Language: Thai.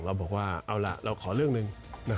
เราบอกว่าเอาล่ะเราขอเรื่องหนึ่ง